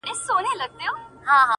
چي د ملا خبري پټي ساتي-